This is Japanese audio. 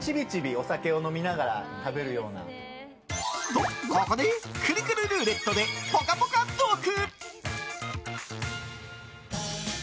と、ここでくるくるルーレットでぽかぽかトーク！